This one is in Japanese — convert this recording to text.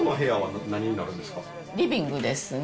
リビングです。